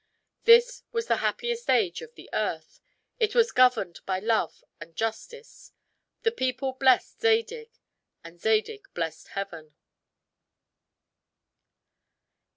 This was the happiest age of the earth; it was governed by love and justice. The people blessed Zadig, and Zadig blessed Heaven.